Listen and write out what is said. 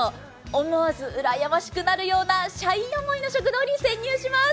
思わず羨ましくなるような社員思いの食堂に潜入します。